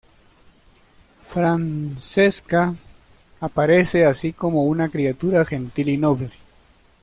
Francesca aparece así como una criatura gentil y noble.